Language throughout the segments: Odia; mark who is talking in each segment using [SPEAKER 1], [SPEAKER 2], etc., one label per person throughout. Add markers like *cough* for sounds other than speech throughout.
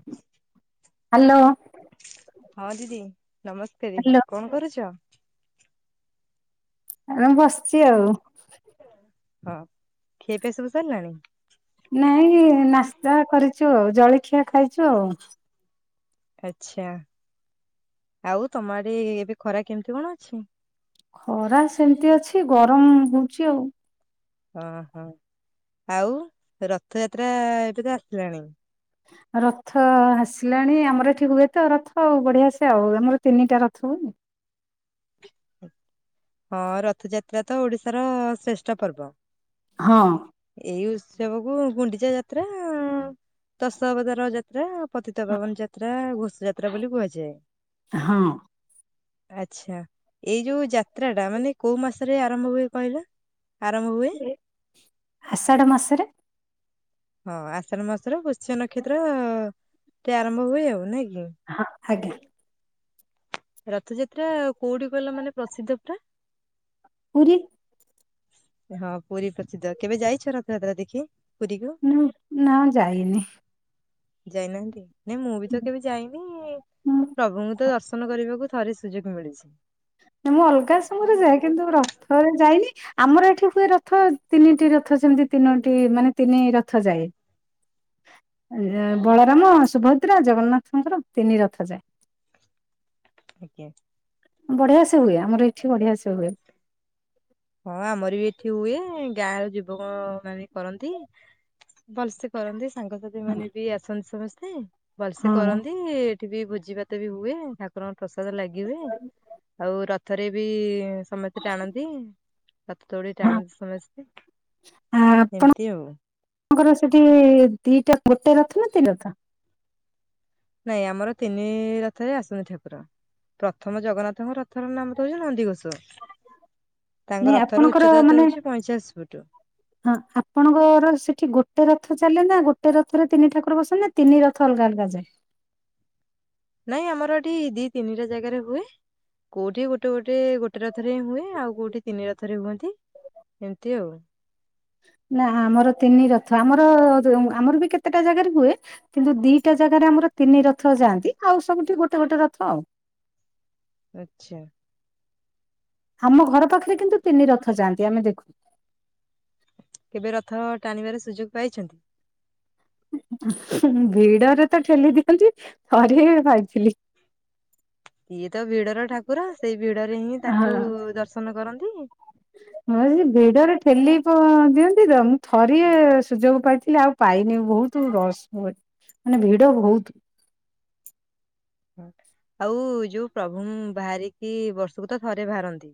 [SPEAKER 1] *inaudible*
[SPEAKER 2] ହାଲୋ।
[SPEAKER 1] ହଁ ଦିଦି ନମସ୍କାର କଣ କରୁଚ?
[SPEAKER 2] ଆ ମୁଁ ବସିଚି ଆଉ।
[SPEAKER 1] ହଁ ଖିଆ ପିଆସବୁ ସରିଲାଣି?
[SPEAKER 2] ନାଇଁ ନାସ୍ତା କରିଚୁ ଆଉ ଜଳଖିଆ ଖାଇଚୁ ଆଉ।
[SPEAKER 1] ଆଚ୍ଛା ଆଉ ତମ ଆଡ଼େ ଏବେ ଖରା କେମିତି କଣ ଅଛି?
[SPEAKER 2] ଖରା ସେମିତି ଅଛି ଗରମ ହଉଚି ଆଉ।
[SPEAKER 1] ଓହୋ ଆଉ ରଥଯାତ୍ରା ଏବେତ ଆସିଲାଣି?
[SPEAKER 2] ରଥ ଆସିଲାଣି ଆମର ଏଠି ହୁଏତ ରଥ ଆଉ ବଢିଆସେ ଆଉ ଆମର ତିନିଟା ରଥ ହୁଏନି।
[SPEAKER 1] ହଁ ରଥଯାତ୍ରାତ ଓଡିଶାର ଶ୍ରେଷ୍ଠ ପର୍ବ।
[SPEAKER 2] ହଁ।
[SPEAKER 1] ଏଇ ଉତ୍ସବକୁ ଗୁଣ୍ଡିଚା ଯାତ୍ରା ତସଅବଦାର ଯା ଯାତ୍ରା ପତିତା ପାବନ ଯାତ୍ରା ଘୋଷ ଯାତ୍ରା ବୋଲି କୁହାଯାଏ।
[SPEAKER 2] ହଁ
[SPEAKER 1] ଆଚ୍ଛା ଏଇ ଯୋଉ ଯା ଯାତ୍ରାଟା ମାନେ କୋଉ ମାସରେ ଆରମ୍ଭ ହୁଏ କହିଲ ଆରମ୍ଭ ହୁ
[SPEAKER 2] ଆଷାଢ ମାସରେ।
[SPEAKER 1] ହଁ ଆଷାଢ ମାସର ପୁଷ୍ୟ ନକ୍ଷତ୍ରେ ଆରମ୍ଭ ହୁଏ ଆଉ ନାକି?
[SPEAKER 2] ହଁ ଆଜ୍ଞା।
[SPEAKER 1] ରଥଯାତ୍ରା କୋଉଠି କଇଁଲ ମାନେ ପ୍ରସିଦ୍ଧ ପୁରା?
[SPEAKER 2] ପୁରୀ।
[SPEAKER 1] ହଁ ପୁରୀ ପ୍ରସିଦ୍ଧ କେବେ ଯାଇଚ ରଥଯାତ୍ରା ଦେଖି ପୁରୀକୁ?
[SPEAKER 2] ଉଁ ନା ଯାଇନି।
[SPEAKER 1] ଯାଇନାହାନ୍ତି ନାଇଁ ମୁଁବିତ କେବେ ଯାଇନି ପ୍ରଭୁଙ୍କୁତ ଦର୍ଶନ କରିବାକୁ ଥରେ ସୁଯୋଗ ମିଳିଛି।
[SPEAKER 2] ନା ମୁଁ ଅଲଗା ସମୟରେ ଯାଏ କିନ୍ତୁ ରଥରେ ଯାଇନି ଆମର ଏଠି ହୁଏ ରଥ ତିନିଟି ରଥ ଯେମିତି ତିନୋଟି ମାନେ ତିନି ରଥ ଯାଏ। ଆଁ ବଳରାମ ସୁଭଦ୍ରା ଜଗନ୍ନାଥଙ୍କର ତିନି ରଥ ଯାଏ।
[SPEAKER 1] ଆଜ୍ଞା।
[SPEAKER 2] ବଢିଆସେ ହୁଏ ଆମର ଏଠି ବଢିଆସେ ହୁଏ।
[SPEAKER 1] ହଁ ଆମରବି ଏଠି ହୁଏ ଗାଁରେ ଯୁବକ ମାନେ କରନ୍ତି। ଭଲସେ କରନ୍ତି ସାଙ୍ଗସାଥି ମାନେବି ଆସନ୍ତି ସମସ୍ତେ ଭଲସେ
[SPEAKER 2] ହଁ।
[SPEAKER 1] କରନ୍ତି। ଏଠିବି ଭୋଜି ଭାତବି ହୁଏ ଠାକୁରଙ୍କ ପ୍ରସାଦ ଲାଗି ହୁଏ ଆଉ ର ଥରେବି ସମସ୍ତେ ଟାଣନ୍ତି। ରଥ ଦୈଡ଼ି ଟାଣନ୍ତି ସମସ୍ତେ ଏମିତି ଆଉ।
[SPEAKER 2] ତାଙ୍କର ସେଠି ଦିଟା ଗୋଟେ ରଥନା ତିନିଟା
[SPEAKER 1] ନାଇଁ ଆମର ତିନି ରଥରେ ଆସନ୍ତି ଠାକୁର ପ୍ରଥମ ଜଗନ୍ନାଥଙ୍କ ର ରଥର ନାମତ ହଉଚି ନନ୍ଦିଘୋଷ
[SPEAKER 2] ନାଇଁ
[SPEAKER 1] ତାଙ୍କ ରଥର
[SPEAKER 2] ଆପଣଙ୍କର
[SPEAKER 1] ଉଚ୍ଚତାତା
[SPEAKER 2] ମାନେ
[SPEAKER 1] ହଉଚି ପଇଁଚାଳିଶି ଫୁଟ୍।
[SPEAKER 2] ହଁ ଆପଣଙ୍କର ସେଠି ଗୋଟେ ରଥ ଚାଲେନା ଗୋଟେ ରଥରେ ତିନି ଠାକୁର ବସେନା ତିନି ରଥ ଅଲଗା ଅଲଗା ଯାଏ?
[SPEAKER 1] ନାଇଁ ଆମର ଏଠି ଦି ତିନିଟା ଜାଗାରେ ହୁଏ କୋଉଠି ଗୋଟେ ଗୋଟେ ଗୋଟେ ରଥରେ ହୁଏ ଆଉ କୋଉଠି ତିନି ରଥରେ ହୁଅନ୍ତି। ଏମିତି ଆଉ।
[SPEAKER 2] ନା ଆମର ତିନି ରଥ ଆମର ଆମରବି କେତେଟା ଜାଗାରେ ହୁଏ କିନ୍ତୁ ଦିଟା ଜାଗାରେ ଆମର ତିନି ରଥ ଯାଆନ୍ତି ଆଉ ସବୁଠି ଗୋଟେ ଗୋଟେ ରଥ ଆଉ।
[SPEAKER 1] ଆଛା।
[SPEAKER 2] ଆମ ଘର ପାଖରେ କିନ୍ତୁ ତିନି ରଥ ଯାଆନ୍ତି ଆମେ ଦେଖୁ।
[SPEAKER 1] କେବେ ରଥ ଟାଣିବାର ସୁଯୋଗ ପାଇଛନ୍ତି?
[SPEAKER 2] ଭିଡରେ ତ ଠେଲି ଦିଅନ୍ତି ଥରେ ପାଇଥିଲି।
[SPEAKER 1] ଇଏ ତ ଭିଡର ଠାକୁର ସେଇ ଭିଡରେ ହିଁ
[SPEAKER 2] ହଁ।
[SPEAKER 1] ତାଙ୍କୁ ଦର୍ଶନ କରନ୍ତି?
[SPEAKER 2] ହଁ ସେ ଭିଡରେ ଠେଲି ପ ଦିଅନ୍ତି ତ ମୁଁ ଥରିଏ ସୁଯୋଗ ପାଇଥିଲି ଆଉ ପାଇନି ବହୁତ ରସ ହ ମାନେ ଭିଡ ବହୁତ।
[SPEAKER 1] ଆଉ ଯୋଉ ପ୍ରଭୁ ବାହାରିକି ବର୍ଷକୁ ତ ଥରେ ବାହାରନ୍ତି।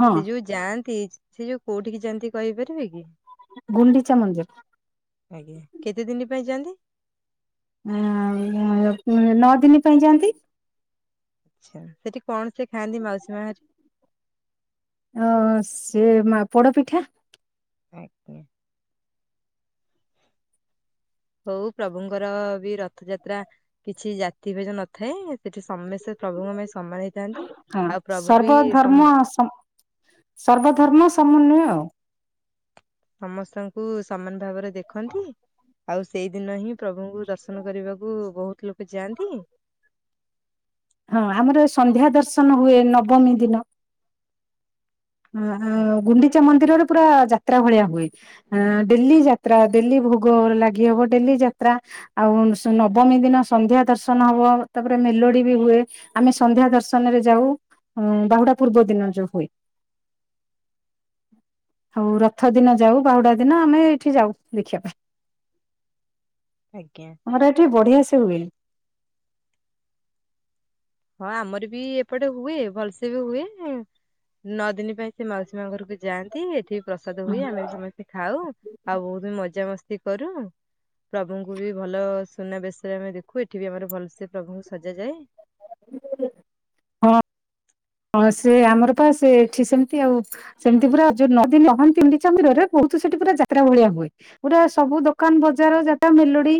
[SPEAKER 2] ହଁ
[SPEAKER 1] ସେ ଯୋଉ ଯାଆନ୍ତି ସେ ଯୋଉ କୋଉଠିକି ଯାଆନ୍ତି କହିପାରିବେ କି?
[SPEAKER 2] ଗୁଣ୍ଡିଚା ମନ୍ଦିର।
[SPEAKER 1] ଆଜ୍ଞା କେତେ ଦିନି ପାଇଁ ଯଆନ୍ତି?
[SPEAKER 2] ଆ ନଅ ଦିନି ପାଇଁ ଯାଆନ୍ତି।
[SPEAKER 1] ଆ୍ଛ ସେଠି କଣ ସେ ଖାଆନ୍ତି ମାଉସୀ ମାହାର୍
[SPEAKER 2] ଅ ସେ ମା ପୋଡ ପିଠା।
[SPEAKER 1] ଆଜ୍ଞା। ହଉ ପ୍ରଭୁଙ୍କର ବି ରଥଯାତ୍ରା। କିଛି ଜାତି ଭେଜ ନଥାଏ ସେଠି ସମେସ୍ତେ ପ୍ରଭୁଙ୍କ ପାଇଁ ସମାନ ହେଇଥାନ୍ତି।
[SPEAKER 2] ହଁ
[SPEAKER 1] ଆଉ ପ୍ରଭୁ ବି
[SPEAKER 2] ସର୍ବ
[SPEAKER 1] ସମ
[SPEAKER 2] ଧର୍ମ ସ ସର୍ବ ଧର୍ମ ସମନ୍ୱୟ ଆଉ।
[SPEAKER 1] ସମସ୍ତଙ୍କୁ ସମାନ ଭାବରେ ଦେଖନ୍ତି? ଆଉ ସେଇ ଦିନ ହିଁ ପ୍ରଭୁଙ୍କୁ ଦର୍ଶନ କରିବାକୁ ବହୁତ ଲୋକ ଯାଆନ୍ତି।
[SPEAKER 2] ହଁ ଆମର ସନ୍ଧ୍ୟା ଦର୍ଶନ ହୁଏ ନବମୀ ଦିନ। ଆ ଆ ଗୁଣ୍ଡିଚା ମନ୍ଦିରରେ ପୁରା ଯାତ୍ରା ଭଳିଆ ହୁଏ। ଆ ଡେଲି ଯାତ୍ରା ଡେଲି ଭୋଗ ଲାଗି ହବ ଡେଲି ଯାତ୍ରା ଆଉ ନବମୀ ଦିନ ସନ୍ଧ୍ୟା ଦର୍ଶନ ହବ ତାପରେ ମେଲୋଡି ବି ହୁଏ। ଆମେ ସନ୍ଧ୍ୟା ଦର୍ଶନରେ ଯାଉ ଉ ବାହୁଡା ପୂର୍ବ ଦିନ ଯୋଉ ହୁଏ। ଆଉ ରଥ ଦିନ ଯାଉ ବାହୁଡା ଦିନ ଆମେ ଏଇଠି ଯାଉ ଦେଖିବା ପାଇଁ।
[SPEAKER 1] ଆଜ୍ଞା।
[SPEAKER 2] ଆମର ଏଠି ବଢିଆ ସେ ହୁଏ।
[SPEAKER 1] ହଁ ଆମର ବି ଏପଟେ ହୁଏ ଭଲସେ ବି ହୁଏ। ନଅ ଦିନି ପାଇଁ ସେ ମାଉସୀ ମା ଘରକୁ ଯାଆନ୍ତି ଏଠି ପ୍ରସାଦ ହୁଏ ଆମେ ବି ସମସ୍ତେ ଖାଉ ଆଉ ବହୁତ ମଜାମସ୍ତି କରୁ। ପ୍ରଭୁଙ୍କୁ ବି ଭଲ ସୁନାବେେଶରେ ଆମେ ଦେଖୁ ଏଠି ବି ଆମର ଭଲ ସେ ପ୍ରଭୁଙ୍କୁ ସଜାଯାଏ।
[SPEAKER 2] ହଁ।
[SPEAKER 1] *inaudible*
[SPEAKER 2] ହଁ ସେ ଆମର ପା ସେ ସେଠି ସେମତି ଆଉ। ସେମିତି ପୁରା ଯୋଉ ନଦୀ ନହନ୍ତି ଗୁଣ୍ଡିଚା ମନ୍ଦିରରେ ବହୁତ ସେଠି ପୁରା ଯାତ୍ରା ଭଳିଆ ହୁଏ। ଗୋଟେ ସବୁ ଦୋକାନ ବଜାର ଯାଗା ମେଲୋଡି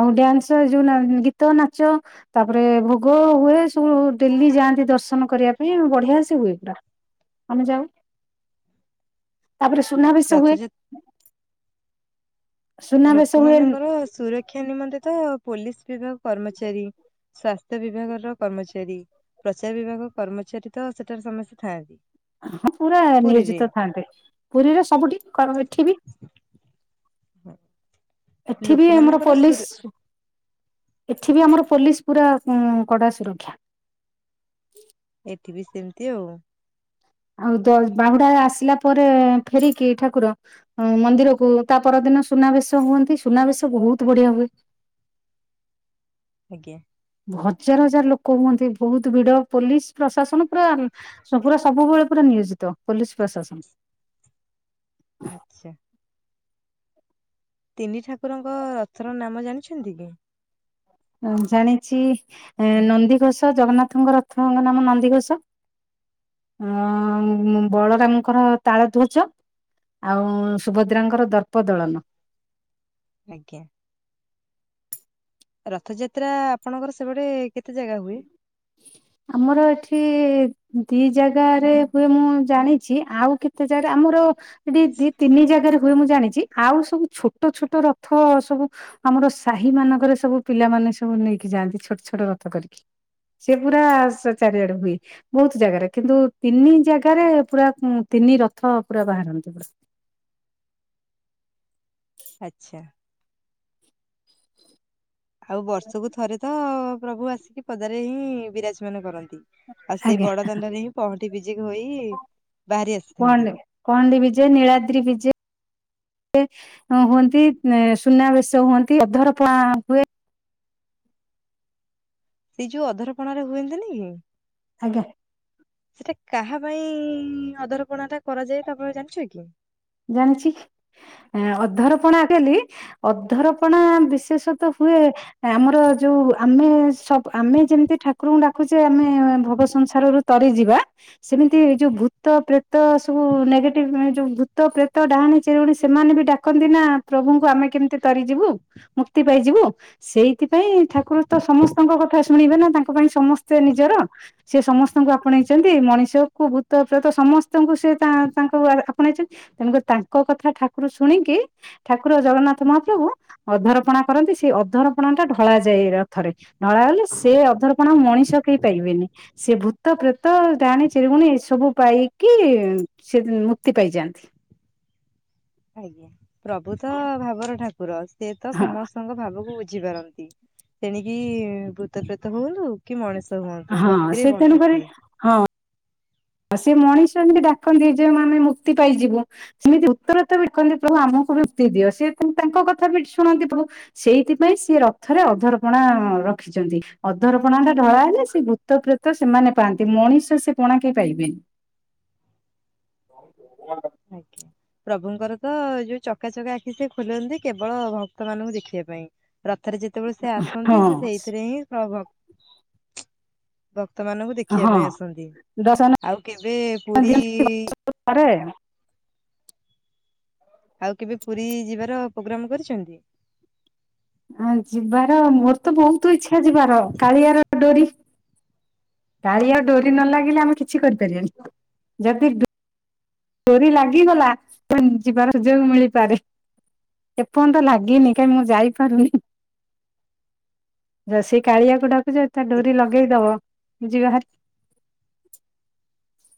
[SPEAKER 2] ଆଉ ଡ୍ୟାନ୍ସ ଯୋଉ ଗୀତ ନାଚ, ତାପରେ ଭୋଗ ହୁଏ ସବୁ ଡେଲି ଯାଆନ୍ତି ଦର୍ଶନ କରିଆ ଇଁ ବଢିଆ ସେ ହୁଏ ପୁରା ଆମେ ଯାଉ। ତାପରେ ସୁନାବେେଶ ହୁଏ।
[SPEAKER 1] ରଥଯାତ
[SPEAKER 2] ସୁନାବେଶ ହୁଏ
[SPEAKER 1] ଲୋକମାନଙ୍କର ସୁରକ୍ଷା ନିମନ୍ତେ ତ ପୋଲିସ ବିଭାଗ କର୍ମଚାରୀ। ସ୍ଵାସ୍ଥ୍ୟ ବିଭାଗର କର୍ମଚାରୀ। ପ୍ରଚାର ବିଭାଗ କର୍ମଚାରୀ ତ ସେଠାରେ ସମସ୍ତେ ଥାଆନ୍ତି।
[SPEAKER 2] ହଁ ପୁରା
[SPEAKER 1] ପୁରୀରେ।
[SPEAKER 2] ନିୟୋଜିତ ଥାନ୍ତେ ପୁରୀରେ ସବୁଠି କର ଏଠି ବି। ଏଠି ବି ଆମର
[SPEAKER 1] ଲୋକମାନଙ୍କର ସୁର
[SPEAKER 2] ପୋଲିସ। ଏଠିବି ଆମର ପୋଲିସ୍ ପୁରା କଁ କଡା ସୁରକ୍ଷା।
[SPEAKER 1] ଏଠିବି ସେମିତି ଆଉ।
[SPEAKER 2] *unintelligible* ବାହୁଡା ଆସିଲା ପରେ ଫେରିକି ଠାକୁର ହଁ ମନ୍ଦିରକୁ ତା ପରଦିନ ସୁନାବେଶ ହୁଅନ୍ତି ସୁନାବେଶ ବହୁତ ବଢିଆ ହୁଏ।
[SPEAKER 1] ଆଜ୍ଞା।
[SPEAKER 2] ହଜାର ହଜାର ଲୋକ ହୁଅନ୍ତି ବହୁତ ଭିଡ ପୋଲିସ ପ୍ରଶାସନ ପୁରା ସବୁରା ସବୁବେଳେ ପୁରା ନିୟୋଜିତ ପୋଲିସ୍ ପ୍ରଶାସନ।
[SPEAKER 1] ଆଚ୍ଛା। ତିନି ଠାକୁରଙ୍କ ରଥର ନାମ ଜାଣିଛନ୍ତି କି?
[SPEAKER 2] ହଁ ଜାଣିଛି। ଏ ନନ୍ଦିଘୋଷ ଜଗନ୍ନାଥଙ୍କ ରଥଙ୍କ ନାମ ନନ୍ଦିଘୋଷ। ଅଁ ମୁ ବଳରାମଙ୍କର ତାଳଧ୍ୱଜ। ଆଉ ସୁଭଦ୍ରାଙ୍କର ଦର୍ପ ଦଳନ।
[SPEAKER 1] ଆଜ୍ଞା। ରଥଯାତ୍ରା ଆପଣଙ୍କର ସେପଟେ କେତେ ଜାଗା ହୁଏ?
[SPEAKER 2] ଆମର ଏଠି ଦି ଜାଗାରେ ହୁଏ ମୁଁ ଜାଣିଛି ଆଉ କେତେ ଜାଗାରେ ଆମର ଏଠି ଦି ତିନି ଜାଗାରେ ହୁଏ ମୁଁ ଜାଣିଛି ଆଉ ସବୁ ଛୋଟ ଛୋଟ ରଥ ସବୁ ଆମର ସାହିମାନଙ୍କରେ ସବୁ ପିଲାମାନେ ସବୁ ନେଇକି ଯାଆନ୍ତି ଛୋଟ ଛୋଟ ରଥ କରି। ସେ ପୁରା ସ୍ ଚାରିଆଡେ ହୁଏ। ବହୁତ ଜାଗାରେ କିନ୍ତୁ ତିନି ଜାଗାରେ ପୁରା ଉଁ ତିନି ରଥ ପୁରା ବାହାରନ୍ତି ପୁରା।
[SPEAKER 1] ଆଚ୍ଛା। ଆଉ ବର୍ଷକୁ ଥରେ ତ ପ୍ରଭୁ ଆସିକି ପଦାରେ ହିଁ ବିରାଜମାନ କରନ୍ତି। ଆଉ ସେଇ
[SPEAKER 2] ଆଜ୍ଞା
[SPEAKER 1] ବଡ଼ଦାଣ୍ଡରେ ହିଁ ପହଁଠି ବିଜେକ୍ ହୋଇ ବାହାରି ଆସିଥାନ୍ତି।
[SPEAKER 2] କଅନ୍ଦି ବିଜେ, ନୀଳାଦ୍ରି ବିଜେ। ହୁଏ, ହଁ ହୁଅନ୍ତି ଏଁ ସୁନାବେଶ ହୁଅନ୍ତି ଅଧରପ୍ନା ହୁଏ।
[SPEAKER 1] ସେଇ ଯୋଉ ଅଧରପଣାରେ ହୁଅନ୍ତିନି କି
[SPEAKER 2] ଆଜ୍ଞା।
[SPEAKER 1] ସେଟା କାହା ପାଇଁ ଅଦରପଣାଟା କରାଯାଏ ତାପରେ ଜାଣିଛ କି?
[SPEAKER 2] ଜାଣିଛି, ଏ ଅଧରପଣା ଆଜିକାଲି ଅଧରପଣା ବିଶେଷ ତ ହୁଏ ଆମର ଯୋଉ ଆମେ ସବୁ ଆମେ ଯେମିତି ଠାକୁରଙ୍କୁ ଡାକୁଛେ ଆମେ ଭୋଗ ସଂସାରରୁ ତରିଯିବା, ସେମିତି ଯୋଉ ଭୂତ ପ୍ରେତ ସବୁ ନେଗେଟିଭ୍ ମାନେ ଯୋଉ ଭୂ ତ, ପ୍ରେତ, ଡାହାଣୀ, ଚିରୁକୁଣୀ ସେମାନେ ବି ଡାକନ୍ତି ନା ପ୍ରଭୁଙ୍କୁ ଆମେ କେମିତି ତରିଯିବୁ। ମୁକ୍ତି ପାଇଯିବୁ। ସେଇଥିପାଇଁ ଠାକୁର ତ ସମସ୍ତଙ୍କ କଥା ଶୁଣିବେ ନା ତାଙ୍କ ପାଇଁ ସମସ୍ତେ ନିଜର। ସିଏ ସମସ୍ତଙ୍କୁ ଆପଣେଇଛନ୍ତି ମଣିଷକୁ, ଭୂତ, ପ୍ରେତ ସମସ୍ତଙ୍କୁ ସେ ତା ତାଙ୍କୁ ଆପଣେଇଛ ତେଣୁ ତାଙ୍କ କଥା ଠାକୁର ଶୁଣିକି, ଠାକୁର ଜଗନ୍ନାଥ ମହାପ୍ରଭୁ ଅଧରପଣା କରନ୍ତି ସେଇ ଅଧରପଣାଟା ଢଳାଯାଏ ରଥରେ। ଢଳା ହେଲେ ସେ ଅଧରପଣାକୁ ମଣିଷ କେହି ପାଇବେନି। ସିଏ ଭୂତ, ପ୍ରେତ, ଡାହାଣୀ, ଚିରିକୁଣି ଏସବୁ ପାଇକି ସେ ମୁକ୍ତି ପାଇଯାନ୍ତ୍
[SPEAKER 1] ଆଜ୍ଞା, ପ୍ରଭୁତ ଭାବର ଠାକୁର ସିଏ ତ
[SPEAKER 2] ହଁ
[SPEAKER 1] ସମସ୍ତଙ୍କ ଭାବକୁ ବୁଝିପାରନ୍ତି। ନ୍ତି, ତେଣିକି ଭୂତପ୍ରେତ ହୁଅନ୍ତୁ କି ମଣିଷ ହୁଅନ୍ତୁ
[SPEAKER 2] ହଁ
[SPEAKER 1] ଭକ୍ତିରେ
[SPEAKER 2] ସେ
[SPEAKER 1] ବନ୍ଧା
[SPEAKER 2] ତେଣୁକରି
[SPEAKER 1] ସିଏ।
[SPEAKER 2] ହଁ ଆଉ ସେ ମଣିଷ ଏମିତି ଡାକନ୍ତି ଯେ ମାନେ ମୁକ୍ତି ପାଇଯିବୁ। ସେମିତି ଉତ୍ତର ତ ବିକନ୍ତି ପ୍ରଭୁ ଆମକୁ ବି ମୁକ୍ତି ଦିଅ ସିଏ ତାଙ୍କ୍ ତାଙ୍କ କଥାବି ଶୁଣନ୍ତି ପ୍ରଭୁ। ସେଇଥିପାଇଁ ସେ ରଥରେ ଅଧରପଣା ରଖିଛନ୍ତି ଅଧରପଣା ଟା ଢଳା ହେଲେ ସେ ତ ପ୍ରେତ ସେମାନେ ପାଆନ୍ତି ମଣିଷ ସେ ପଣା କି ହେଇ ପାରିବେ।
[SPEAKER 1] ଆଜ୍ଞା। ପ୍ରଭୁଙ୍କର ତ ଯୋଉ ଚକାଚକା ଆଖି ସେ ଖୋଲନ୍ତି କେବଳ ଭକ୍ତ ମାନଙ୍କୁ ଦେଖିବା ପାଇଁ। ରଥରେ ଯେତେବେଳେ ସେ ଆସନ୍ତି
[SPEAKER 2] ହଁ
[SPEAKER 1] ସେ ସେଇଥିରେ ହିଁ ସ ଭକ୍ ଭକ୍ତ ମାନଙ୍କୁ ଦେଖିବା
[SPEAKER 2] ହଁ
[SPEAKER 1] ପାଇଁ ଆସନ୍ତି
[SPEAKER 2] ଦର୍ଶନ
[SPEAKER 1] ଆଉ କେବେ ପୁରୀ
[SPEAKER 2] ତୁ ପରାୟଣ।
[SPEAKER 1] ଆଉ କେବେ ପୁରୀ ଯିବାର ପ୍ରୋଗ୍ରାମ କରିଛନ୍ତି?
[SPEAKER 2] ଆ ଯିବାର ମୋର ତ ବହୁତ ଇଛା ଯିବାର କାଳିଆର ଡୋରି। କାଳିଆ ଡୋରି ନ ଲାଗିଲେ ଆମେ କିଛି କରିପାରିବାନି ଯଦି ଡୋରି ଲାଗିଗଲା ଯିବାର ସୁଯୋଗ ମିଳିପାରେ। ଏପର୍ଯ୍ୟ ତ ଲାଗିନି କାହିଁଁ ମୁଁ ଯାଇପାରୁନି। ସେଇ କାଳିଆକୁ ଡାକୁଛ ତା ଡୋରି ଲଗେଇଦବ ଯିବାହାରି।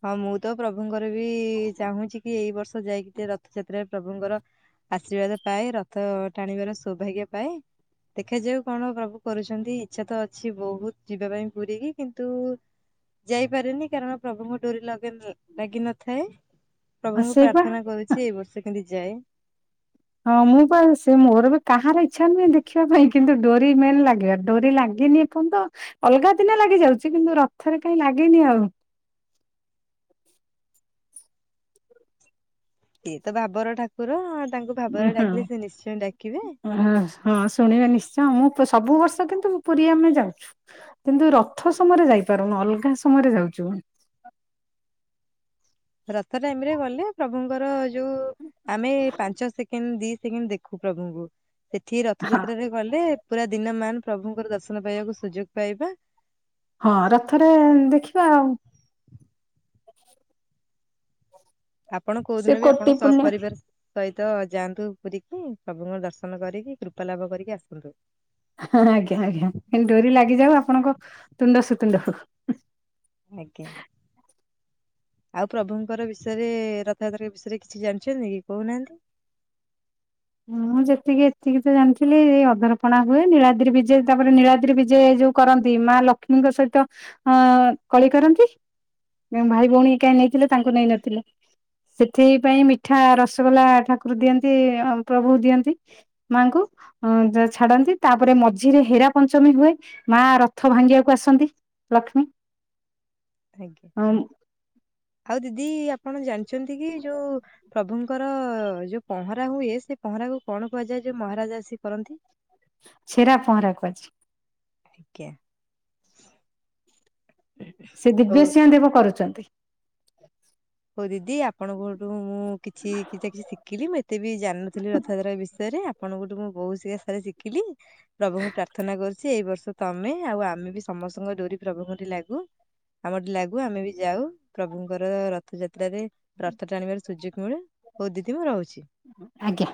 [SPEAKER 1] ହଁ ମୁଁ ତ ପ୍ରଭୁଙ୍କର ବି ଚାହୁଁଛି କି ଏଇ ବର୍ଷ ଯାଇକି ଟେ ରଥଯାତ୍ରାରେ ପ୍ରଭୁଙ୍କର ଆଶୀର୍ବାଦ ପାଏ ରଥ ଟାଣିବାର ସୌଭାଗ୍ୟ ପାଏ। ଦେଖାଯାଉ କଣ ପ୍ରଭୁ କରୁଛନ୍ତି ଇଚ୍ଛା ତ ଅଛି ବହୁତ ଯିବା ପାଇଁ ପୁରୀ କିି କିନ୍ତୁ ଯାଇପାରେନି କାରଣ ପ୍ର ଡୋରି ଲଗ ଲାଗିିନଥାଏ ପ୍ରଭୁଙ୍କୁ
[SPEAKER 2] ହସେଇବା
[SPEAKER 1] ପ୍ରାର୍ଥନା କରୁଛି ଏଇ ବର୍ଷ କେମିତି ଯାଏ।
[SPEAKER 2] ହଁ ମୁଁ ବା ସେ ମୋହର ବି କାହାର ଇଚ୍ଛା ନୁହେଁ ଦେଖିବା ପାଇଁ। କିନ୍ତୁ ଡୋରି ମେନ୍ ଲାଗିବ ଡୋରି ଲାଗେନି ଏପନ୍ତ। ଅଲଗା ଦିନ ଲାଗିଯାଉଛି କିନ୍ତୁ ରଥରେ କାହିଁ ଲାଗେନି ଆଉ।
[SPEAKER 1] ସିଏ ତ ଭାବର ଠାକୁର ତାଙ୍କୁ ଭାବରେ ଡାକିଲେ ସେ ନିଶ୍ଚୟ ଡାକିବେ।
[SPEAKER 2] ହଁ। ହଁ ଶୁଣିବେ ନିଶ୍ଚୟ ମୁଁ ସବୁ ବର୍ଷ କିନ୍ତୁ ପୁରୀ ଆମେ ଯାଉଛୁ। କିନ୍ତୁ ରଥ ସମୟରେ ଯାଇପାରୁନୁ ଅଲଗା ସମୟରେ ଯାଉଛୁ।
[SPEAKER 1] ରଥ ଟାଇମରେ ଗଲେ ପ୍ରଭୁଙ୍କର ଯୋଉ ଆମେ ପାଞ୍ଚ ସେକେଣ୍ଡ ଦି ସେକେଣ୍ଡ ଦେଖୁ ପ୍ରଭୁଙ୍କୁ। ସେଠି
[SPEAKER 2] ହଁ
[SPEAKER 1] ରଥଯାତ୍ରାରେ ଗଲେ ପୁରା ଦିନ ମ ପ୍ରଭୁଙ୍କର ଦର୍ଶନ ପାଇବାକୁ ସୁଯୋଗ ପାଇବା।
[SPEAKER 2] ହଁ ରଥରେ ଦେଖିବା ଆଉ।
[SPEAKER 1] ଆପଣ କୋଉ
[SPEAKER 2] ସେ
[SPEAKER 1] ଦିନ ବି ଆପଣ
[SPEAKER 2] କୋଟି
[SPEAKER 1] ସ
[SPEAKER 2] ପୁଣ୍ୟ
[SPEAKER 1] ପରିବାର ସହିତ ଯାଆନ୍ତୁ ପୁରି କି ପ୍ରଭୁଙ୍କର ଦର୍ଶନ କରିକି କୃପା ଲାଭ କରିକି ଆସନ୍ତୁ।
[SPEAKER 2] ହ ଆଜ୍ଞା ଆଜ୍ଞା ଏତି ଡୋରି ଲାଗିଯାଉ ଆପଣଙ୍କ ତୁଣ୍ଡ ସୁତୁଣ୍ଡ ହଉ।
[SPEAKER 1] ଆଜ୍ଞା। ଆଉ ପ୍ରଭୁଙ୍କର ବିଷୟରେ ରଥଯାତ୍ରା ବିଷୟରେ କିଛି ଜାଣିଛନ୍ତି କି କହୁନାହାନ୍ତି?
[SPEAKER 2] ହଁ ମୁଁ ଯେତିକି ଏତିକି ତ ଜାଣିଥିଲି ଏଇ ଅଧରପଣା ହୁଏ ନୀଳାଦି ବିଜୟ ତାପରେ ନୀଳାଦି ବିଜେ ଏ ଯୋଉ କରନ୍ତି ମା ଲକ୍ଷ୍ମୀଙ୍କ ସହିତ ଅ କଳି କରନ୍ତି। ଭାଇ ଭଉଣୀ କାଁ ନେଇଥିଲେ? ତାଙ୍କୁ ନେଇ ନଥିଲା ସେଥିପାଇ ମିଠା ରସଗୋଲା ଠାକୁର ଦିଅନ୍ତି ପ୍ରଭୁ ଦିଅନ୍ତି ମାଙ୍କୁ। ଅ ଛାଡନ୍ତି ତାପରେ ମଝିରେ ହେରା ପଞ୍ଚମୀ ହୁଏ ମା ରଥ ଭାଙ୍ଗିବାକୁ ଆସନ୍ତି। ଲକ୍ଷ୍ମୀ।
[SPEAKER 1] ଆଜ୍ଞା ଆଉ ଦିଦି ଆପଣ ଜାଣିଛନ୍ତି କି ଯୋଉ ପ୍ରଭୁଙ୍କର ଯୋଉ ପହଁରା ହୁଏ ସେ ପହଁରା କ କଣ କୁହାଯାଏ ଯୋଉ ମହାରାଜା ଆସି କରନ୍ତି।
[SPEAKER 2] ଛେରା ପହଁରାକୁ ଅଛି।
[SPEAKER 1] ଆଜ୍ଞା।
[SPEAKER 2] ସେ
[SPEAKER 1] ହଉ
[SPEAKER 2] ଦିବ୍ୟ ସିଂହ ଦେବ କରୁଛନ୍ତି।
[SPEAKER 1] ହଉ ଦିଦି ଆପଣଙ୍କଠୁ ମୁଁ କିଛି କିଛି ନା କିଛି ଶିଖିଲି ମୁଁ ଏତେ ବି ଜାଣିନଥିଲି ରଥଯାତ୍ରା ବିଷୟରେ ଆପ ଆପଣ ଠୁ ମୁଁ ବହୁ ଶିକ୍ଷା ସାର ଶିଖିଲି ପ୍ରଭୁଙ୍କୁ ପ୍ରାର୍ଥନା କରୁଛି ଏଇ ବର୍ଷ ତମେ ଆଉ ଆମେ ବି ସମସ୍ତଙ୍କ ଡୋରି ପ୍ରଭୁଙ୍କ ଠି ଲାଗୁ। ଆମର ଲାଗୁ ଆମେ ବି ଯାଉ ପ୍ରଭୁଙ୍କର ର ରଥଯାତ୍ରାରେ ରଥ ଟାଣିବାରେ ସୁଯୋଗ ମିଳୁ ହଉ ଦିଦି ମୁଁ ରହୁଛି।
[SPEAKER 2] ଆଜ୍ଞା।